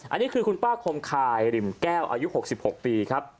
อันนี้คือคุณป้าคมคายริมแก้วอายุ๖๖ปีครับ